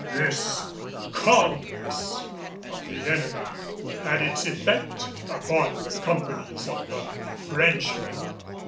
This calmness of the enemy had its effect upon the companies of the Frenchmen.